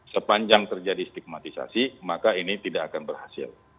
sepanjang terjadi stigmatisasi maka ini tidak akan berhasil